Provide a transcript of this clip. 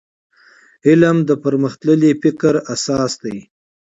علم د پرمختللي فکر اساس دی.